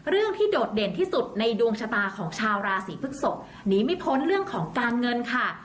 ที่โดดเด่นที่สุดในดวงชะตาของชาวราศีพฤกษกหนีไม่พ้นเรื่องของการเงินค่ะ